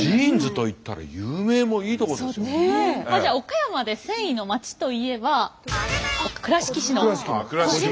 じゃ岡山で繊維のまちといえば倉敷市の児島。